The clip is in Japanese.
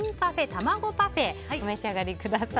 たまごパフェお召し上がりください。